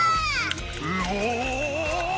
うお！